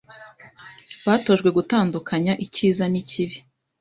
batojwe gutandukanya icyiza n’ikibi